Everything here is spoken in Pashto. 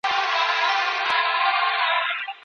د هلکانو لیلیه بې دلیله نه تړل کیږي.